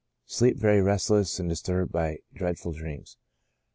Sleep very restless, and disturbed by dreadful dreams.